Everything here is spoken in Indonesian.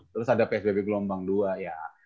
terus ada psbb gelombang dua ya